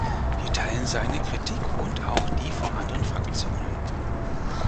Wir teilen seine Kritik und auch die von anderen Fraktionen.